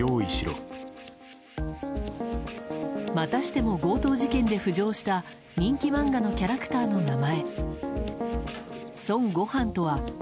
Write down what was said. またしても強盗事件で浮上した人気漫画のキャラクターの名前。